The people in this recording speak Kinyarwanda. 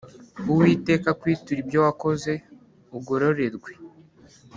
Uwiteka akwiture ibyo wakoze ugororerwe